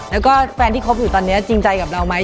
แล้วก็แฟนที่คบอยู่ตอนนี้จริงใจกับเราไหม